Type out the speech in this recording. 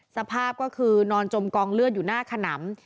สภาพก็คือนอนจมกองเลือดอยู่หน้าขนำ